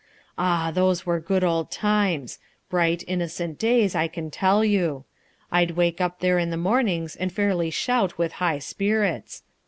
Ah, those were good old times! Bright, innocent days, I can tell you. I'd wake up there in the mornings and fairly shout with high spirits.